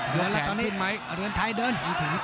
เดือนแล้วตอนนี้ไหมเรือนไทยเดิน